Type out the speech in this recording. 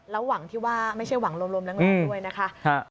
แล้วหวังที่ว่าไม่ใช่หวังลมแรงด้วยนะคะ